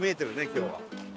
今日は。